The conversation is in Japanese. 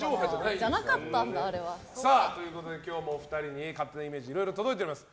ということで今日もお二人に勝手なイメージいろいろ届いております。